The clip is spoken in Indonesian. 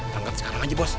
tangkep sekarang aja bos